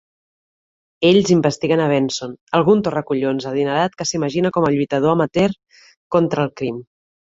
Ells investiguen a Benson: algun torracollons adinerat que s'imagina com a lluitador amateur contra el crim.